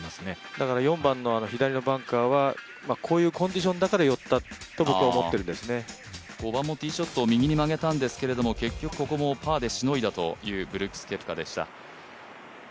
だから４番の左のバンカーはこういうコンディションだから寄ったと５番もティーショットを右に曲げたんですけど結局ここもパーでしのいだというブルックス・ケプカでした。